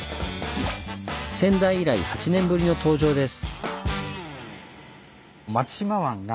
「仙台」以来８年ぶりの登場です。